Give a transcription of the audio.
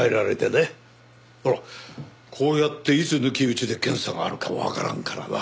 ほらこうやっていつ抜き打ちで検査があるかわからんからな。